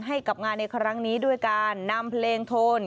ให้กับงานในครั้งนี้ด้วยการนำเพลงโทน